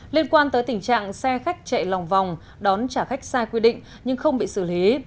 liên quan tới tình trạng xe khách chạy lòng vòng đón trả khách sai quy định nhưng không bị xử lý